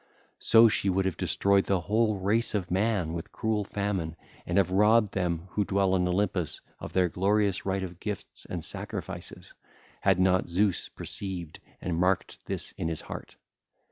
So she would have destroyed the whole race of man with cruel famine and have robbed them who dwell on Olympus of their glorious right of gifts and sacrifices, had not Zeus perceived and marked this in his heart.